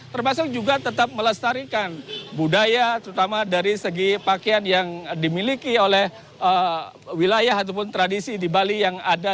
termasuk juga tetap melestarikan budaya terutama dari segi pakaian yang dimiliki oleh wilayah ataupun tradisi di bali yang ada